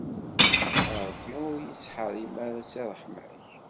A Rebbi ur yi-ttḥerrim ara si ṛṛeḥma-k.